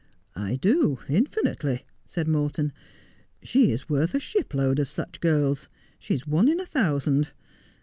' I do, infinitely,' said Morton. ' She is worth a shipload of such girls. She is one in a thousand.